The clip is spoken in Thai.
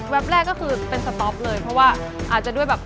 แรกก็คือเป็นสต๊อปเลยเพราะว่าอาจจะด้วยแบบ